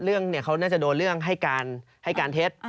เรื่องเนี่ยเขาน่าจะโดนเรื่องให้การเท็จนะครับ